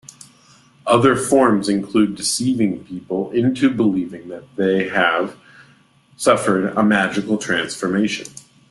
Other forms include deceiving people into believing that they have suffered a magical transformation.